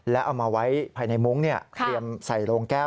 แล้วเอามาไว้ภายในมุ้งเตรียมใส่โรงแก้ว